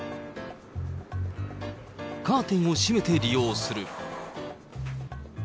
カーテンを閉めて利用する。